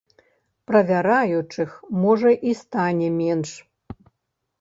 Правяраючых, можа, і стане менш.